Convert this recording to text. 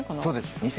そうです。